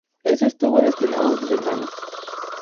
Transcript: Eso estuvo destinado a sus hermanos.